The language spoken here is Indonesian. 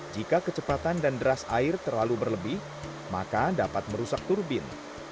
jika kecepatan dan deras air terlalu berlebih maka dapat merusak turbin